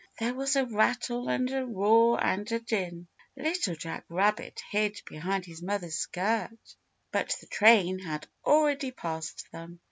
There was a rattle and a roar and a din. Little Jack Rabbit hid behind his mother's skirt, but the train had already passed them.